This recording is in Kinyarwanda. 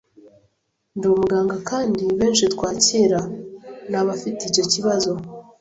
Nd’umuganga kandi benshi twakira nabafite icyo kibazo